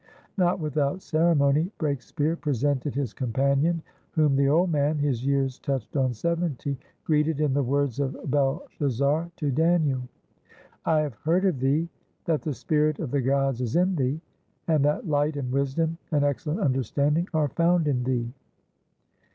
Not without ceremony, Breakspeare presented his companion, whom the old man (his years touched on seventy) greeted in the words of Belshazzar to Daniel: "I have heard of thee, that the spirit of the gods is in thee, and that light and wisdom and excellent understanding are found in thee.